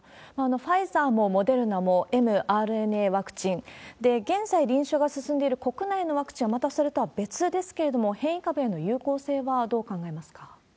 ファイザーもモデルナもｍＲＮＡワクチンで、現在臨床が進んでいる国内のワクチンは、またそれとは別ですけれども、変異株への有効性はどう考えますか。